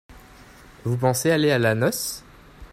Vous pensez aller à la noce ?